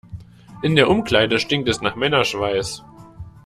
In der Umkleide stinkt es nach Männerschweiß.